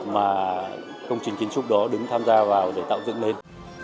mà công trình kiến trúc đó đứng tham gia vào để tạo dựng lên